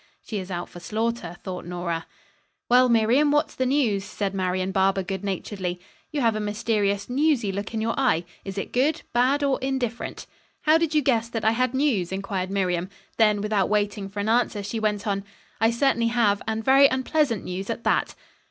"She is out for slaughter," thought Nora. "Well, Miriam, what's the news?" said Marian Barber good naturedly. "You have a mysterious, newsy look in your eye. Is it good, bad or indifferent?" "How did you guess that I had news?" inquired Miriam. Then without waiting for an answer she went on. "I certainly have, and very unpleasant news, at that."